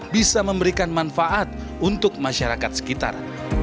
bisa memberikan manfaat untuk masyarakat sekitar